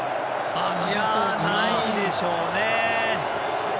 ないでしょうね。